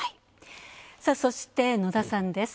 そして、野田さんです。